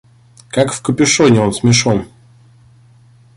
Как в капюшоне он смешон.